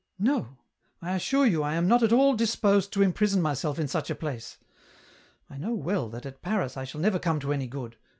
" No : I assure you I am not at all disposed to imprison myself in such a place. I know well that at Paris I shall never come to any good.